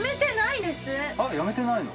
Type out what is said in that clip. あ、やめてないの？